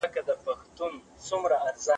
ناصحه! تهٔ خو پهٔ زړهٔ داسې سخت ئې